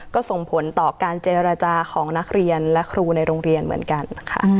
ก็ส่งผลต่อการเจรจาของนักเรียนและครูในโรงเรียนเหมือนกันค่ะ